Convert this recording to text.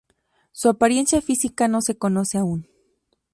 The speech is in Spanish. Su apariencia física no se conoce aún.